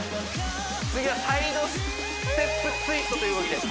次はサイドステップツイストという動きです